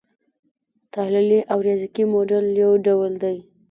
تحلیلي او ریاضیکي موډل یو ډول دی.